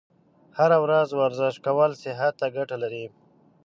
هره ورځ ورزش کول صحت ته ګټه لري.